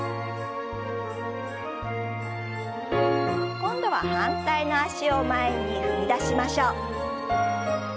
今度は反対の脚を前に踏み出しましょう。